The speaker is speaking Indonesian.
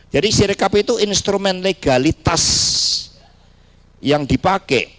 jadi serikap itu instrumen legalitas yang dipakai